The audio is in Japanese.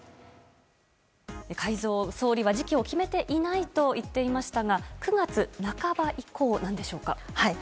改造、総理は時期を決めていないと言っていましたが９月半ば以降なんでしょうか。